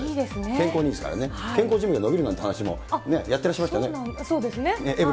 健康にいいですからね、健康寿命が延びるなんて話もやっそうですね。